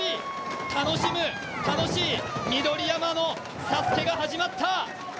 楽しむ、楽しい、緑山のＳＡＳＵＫＥが始まった。